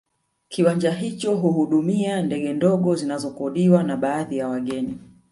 Kiwanja hicho huhudumia ndege ndogo zinazokodiwa na baadhi ya wageni